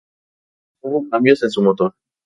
No hubo cambios en su motor.